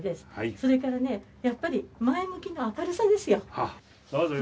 それからね、やっぱり前向きになる明るさですよ。